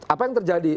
apa yang terjadi